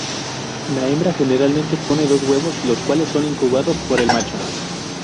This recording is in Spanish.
La hembra generalmente pone dos huevos, los cuales son incubados por el macho.